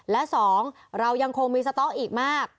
และ๒เรายังคงมีสต๊อกอีกมาก